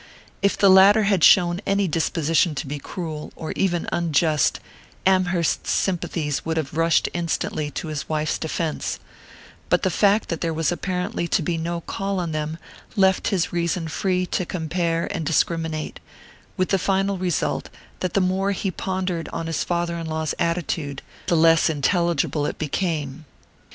If the latter had shown any disposition to be cruel, or even unjust, Amherst's sympathies would have rushed instantly to his wife's defence; but the fact that there was apparently to be no call on them left his reason free to compare and discriminate, with the final result that the more he pondered on his father in law's attitude the less intelligible it became.